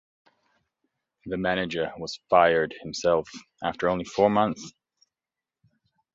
The manager was fired himself, after only four months.